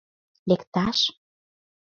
— Лекташ?